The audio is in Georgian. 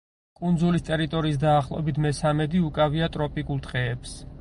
კუნძულის ტერიტორიის დაახლოებით მესამედი უკავია ტროპიკულ ტყეებს.